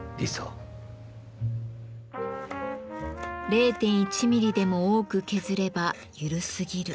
０．１ミリでも多く削れば緩すぎる。